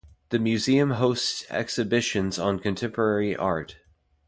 The museum hosts exhibitions on contemporary art.